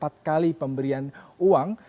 pengadaan pemberian uang